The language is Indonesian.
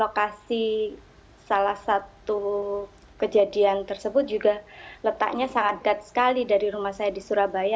lokasi salah satu kejadian tersebut juga letaknya sangat gat sekali dari rumah saya di surabaya